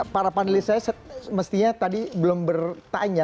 para panelis saya mestinya tadi belum bertanya